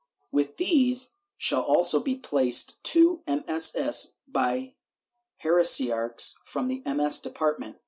With these shall also be placed two MSS. by heresiarchs from the MS. department.